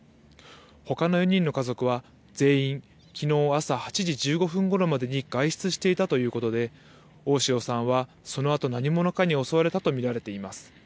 ほかの４人の家族は全員、きのう朝８時１５分ごろまでに外出していたということで、大塩さんはそのあと何者かに襲われたと見られています。